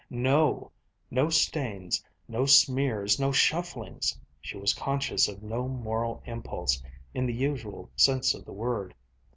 No stains, no smears, no shufflings! She was conscious of no moral impulse, in the usual sense of the word.